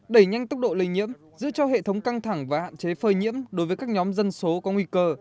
đẩy nhanh tốc độ lây nhiễm giữ cho hệ thống căng thẳng và hạn chế phơi nhiễm đối với các nhóm dân số có nguy cơ